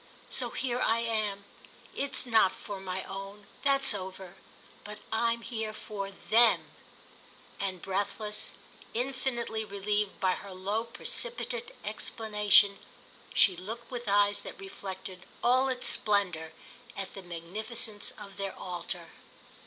So here I am. It's not for my own—that's over. But I'm here for them." And breathless, infinitely relieved by her low precipitate explanation, she looked with eyes that reflected all its splendour at the magnificence of their altar.